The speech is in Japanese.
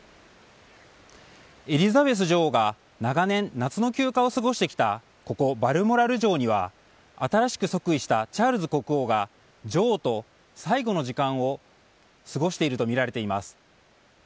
エリザベス女王が長年、夏の休暇を過ごしてきたここ、バルモラル城には新しく即位したチャールズ国王が女王と最後の時間を過ごしているとみられています。